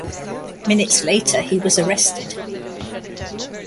Minutes later he was arrested.